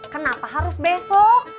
kenapa harus besok